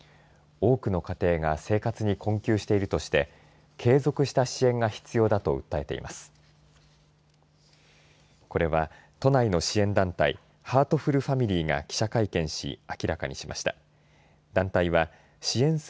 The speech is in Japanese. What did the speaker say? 多くの家庭が生活に困窮しているとして継続した支援が必要だと訴えています。